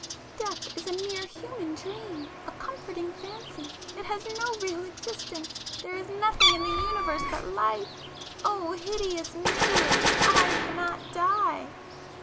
Death is a mere human dream,—a comforting fancy; it has no real existence,—there is nothing in the Universe but life! O hideous misery!—I cannot die!